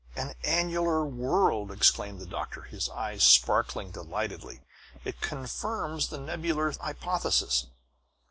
"An annular world!" exclaimed the doctor, his eyes sparkling delightedly. "It confirms the nebular hypothesis!"